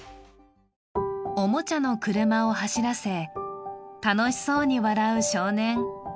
おもちゃの車を走らせ、楽しそうに笑う少年。